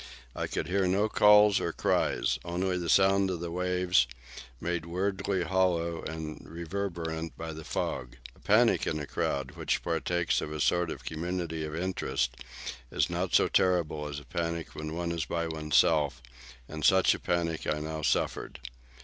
I could hear no calls or cries—only the sound of the waves, made weirdly hollow and reverberant by the fog. A panic in a crowd, which partakes of a sort of community of interest, is not so terrible as a panic when one is by oneself; and such a panic I now suffered.